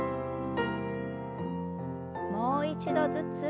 もう一度ずつ。